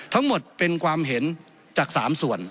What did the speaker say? ทั้งหมดเป็นความเห็นจาก๓ส่วน